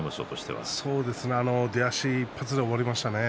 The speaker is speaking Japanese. は出足一発で終わりましたね。